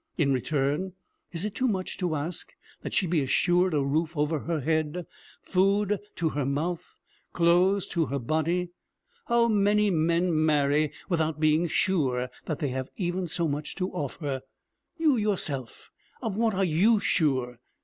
In return, is it too much to ask that she be assured a roof over her head, food to her mouth, clothes to her body? How many men marry without being sure that they have even so much to offer? You yourself, of what are you sure?